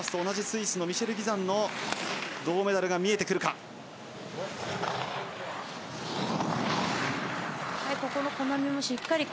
同じスイスのミシェル・ギザンの銅メダルが見えてくるか。